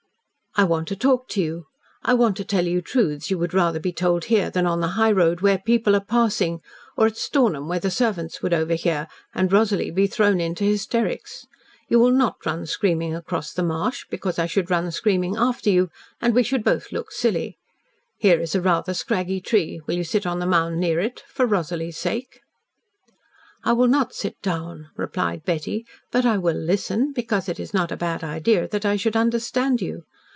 "I want to talk to you. I want to tell you truths you would rather be told here than on the high road, where people are passing or at Stornham, where the servants would overhear and Rosalie be thrown into hysterics. You will NOT run screaming across the marsh, because I should run screaming after you, and we should both look silly. Here is a rather scraggy tree. Will you sit on the mound near it for Rosalie's sake?" "I will not sit down," replied Betty, "but I will listen, because it is not a bad idea that I should understand you.